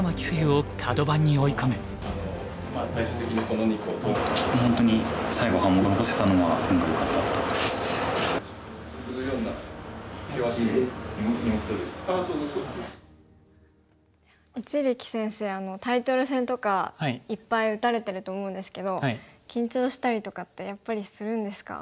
これで一力先生タイトル戦とかいっぱい打たれてると思うんですけど緊張したりとかってやっぱりするんですか？